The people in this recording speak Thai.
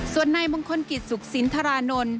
ส่วนในมงคลกิจสุขศิลป์ธรานนทร์